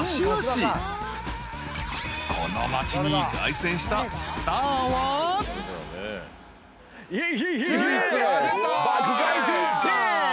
［この町に凱旋したスターは］イェイ！